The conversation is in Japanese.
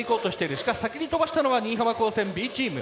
しかし先に飛ばしたのは新居浜高専Ｂチーム。